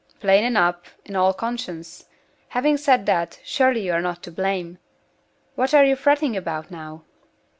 "Plain enough, in all conscience! Having said that, surely you are not to blame. What are you fretting about now?"